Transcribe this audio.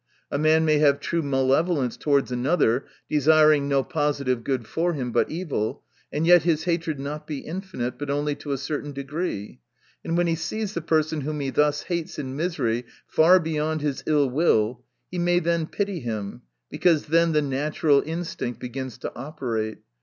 A man may have true malevolence towards another, desiring no positive good for him, but evil ; and yet his hatred not be infinite, but only to a certain degree. And when he sees the person whom he thus hates, in misery far beyond his ill will, he may then pity him ; because then the natural instinct begins to operate.